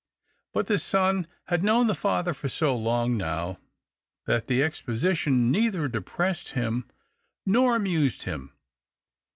But the son had known the father for so long now that the exposition neither depressed him nor amused him.